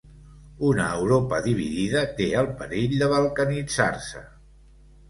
Una Europa dividida té el perill de balcanitzar-se.